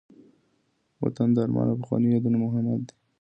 وطن د ارمان او پخوانيو یادونو مهد دی.